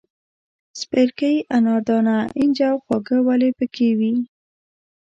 سپیرکۍ، اناردانه، اینجه او خواږه ولي پکې وې.